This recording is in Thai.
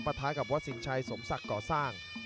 ท้ายกับวัดสินชัยสมศักดิ์ก่อสร้าง